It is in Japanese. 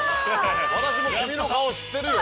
私も君の顔知ってるよ。